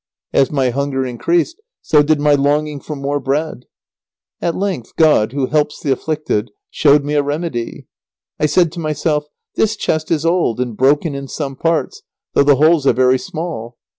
As my hunger increased, so did my longing for more bread. At length God, who helps the afflicted, showed me a remedy. I said to myself: "This chest is old, and broken in some parts, though the holes are very small.